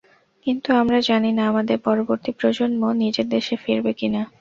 কিন্তু আমরা জানি না আমাদের পরবর্তী প্রজন্ম নিজের দেশে ফিরবে কি না।